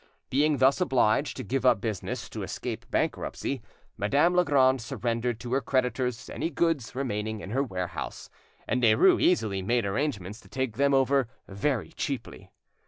Being thus obliged to give up business to escape bankruptcy, Madame Legrand surrendered to her creditors any goods remaining in her warehouse; and Derues easily made arrangements to take them over very cheaply.